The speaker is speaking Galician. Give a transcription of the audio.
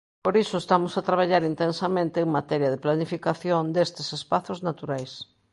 Por iso estamos a traballar intensamente en materia de planificación destes espazos naturais.